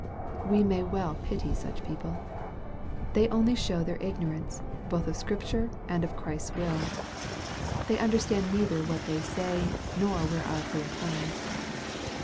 We may well pity such people. They only show their ignorance, both of Scripture and of Christ's will. They understand neither what they say, nor whereof they affirm.